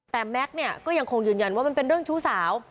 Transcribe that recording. แต่แม็กซ์เนี่ยก็ยังคงยืนยันว่ามันเป็นเรื่องชู้สาว